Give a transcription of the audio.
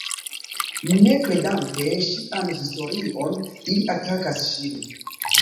Ne kredante ŝian historion, ili atakas ŝin.